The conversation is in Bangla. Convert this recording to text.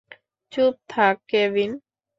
চুপ থাক, কেভিন!